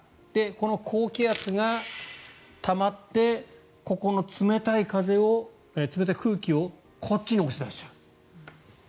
高気圧がたまってここの冷たい風を、冷たい空気をこっちに押し出しちゃう。